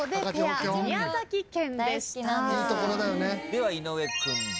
では井上君です。